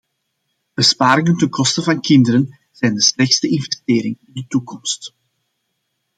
Besparingen ten koste van kinderen zijn de slechtste investering in de toekomst.